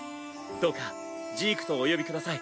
どうかジークとお呼びください。